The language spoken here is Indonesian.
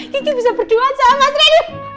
kiki bisa berduaan sama mas reddy